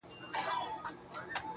چي دې سترگو زما و زړه ته کړی پول دی~